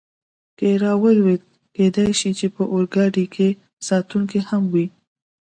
کې را ولوېد، چې کېدای شي په اورګاډي کې ساتونکي هم وي.